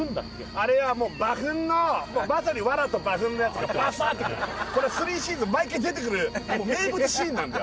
あれはもう馬フンのまさにワラと馬フンのやつがバサってくるこれは３シーズン毎回出てくる名物シーンなんだよ